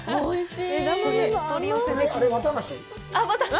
おいしい！